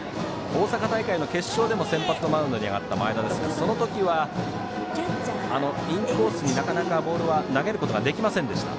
大阪大会の決勝でもマウンドに上がった前田ですがその時はインコースになかなかボール投げることができませんでした。